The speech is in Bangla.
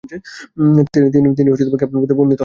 তিনি ক্যাপ্টেন পদে উন্নীত হন।